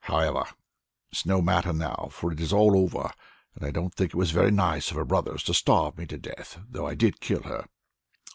However, it is no matter now, for it is all over, and I don't think it was very nice of her brothers to starve me to death, though I did kill her."